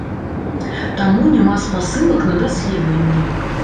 Таму няма спасылак на даследаванні.